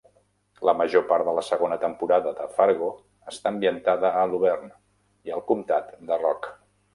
La major part de la segona temporada de "Fargo" està ambientada a Luverne i el comtat de Rock.